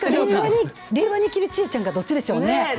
令和に生きるチエちゃんかどっちですかね。